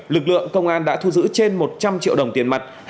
lực lượng công an đã thu giữ trên một trăm linh triệu đồng tiền mặt